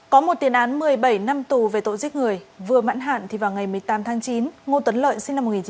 có một tiền án một mươi bảy năm tù về tội giết người vừa mãn hạn thì vào ngày một mươi tám tháng chín ngô tấn lợi sinh